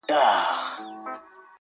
ځان یې خپل دئ نور د هر چا دښمنان-